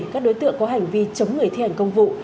các đối tượng có hành vi chống người thi hành công vụ